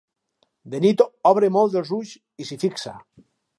De nit obre molt els ulls i s'hi fixa.